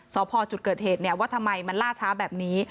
สพจุดเกิดเหตุว่าทำไมมันล่าช้าแบบนี้